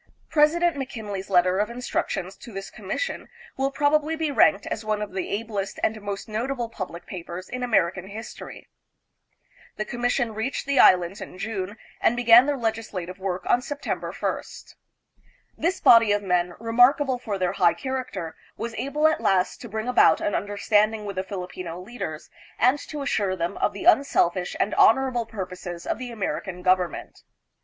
President McKinley's letter of instructions to this com mission will probably be ranked as one of the ablest and most notable public papers in American history. The commission reached the Islands in June and began AMERICA AND THE PHILIPPINES. 309 their legislative work on September 1st. This body of men, remarkable for their high character, was able at last to bring about an understanding with the Filipino leaders and to assure them of the unselfish and honorable purposes of the American government.